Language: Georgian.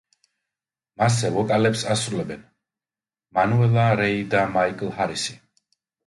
მასზე ვოკალებს ასრულებენ მანუელა რეი და მაიკლ ჰარისი.